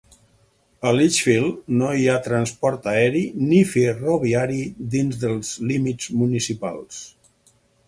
A Litchfield no hi ha transport aeri ni ferroviari dins dels límits municipals.